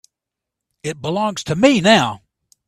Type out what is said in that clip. It belongs to me now.